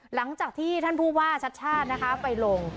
หลังจากที่ท่านผู้ว่าชัดชาตินะคะไปลง